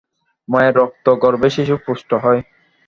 মায়ের রক্ত গর্ভে শিশু পুষ্ট হয়।